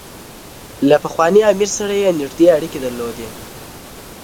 له پخواني امیر سره یې نېږدې اړیکې درلودې.